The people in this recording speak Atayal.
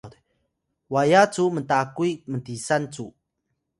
waya cu mtakuy mtisan cu